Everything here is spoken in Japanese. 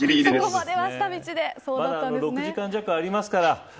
まだ６時間弱ありますから。